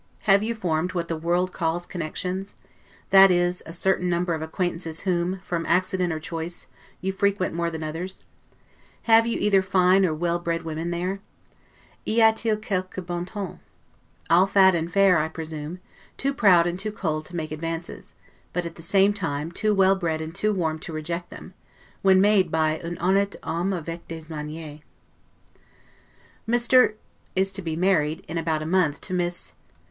Have you formed what the world calls connections? that is, a certain number of acquaintances whom, from accident or choice, you frequent more than others: Have you either fine or well bred women there? 'Y a t il quelque bon ton'? All fat and fair, I presume; too proud and too cold to make advances, but, at the same time, too well bred and too warm to reject them, when made by 'un honnete homme avec des manieres'. Mr. is to be married, in about a month, to Miss